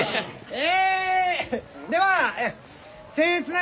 え。